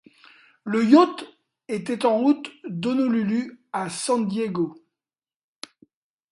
Le yacht était en route d'Honolulu à San Diego.